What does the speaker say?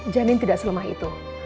janin tidak selama itu